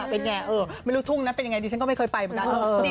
เป็นไงไม่รู้ทุ่งนั้นเป็นยังไงดิฉันก็ไม่เคยไปเหมือนกัน